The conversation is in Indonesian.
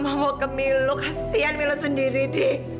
mama mau ke milo kasian milo sendiri dih